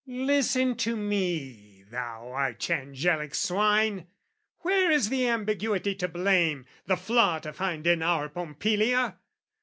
Listen to me, thou Archangelic swine! Where is the ambiguity to blame, The flaw to find in our Pompilia?